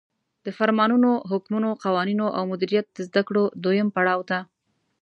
د فرمانونو، حکمونو، قوانینو او مدیریت د زدکړو دویم پړاو ته